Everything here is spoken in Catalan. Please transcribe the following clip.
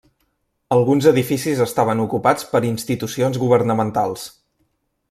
Alguns edificis estaven ocupats per institucions governamentals.